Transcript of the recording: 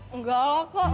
enggak lah kak